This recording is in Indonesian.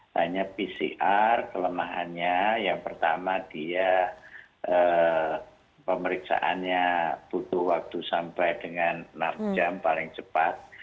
hanya pcr kelemahannya yang pertama dia pemeriksaannya butuh waktu sampai dengan enam jam paling cepat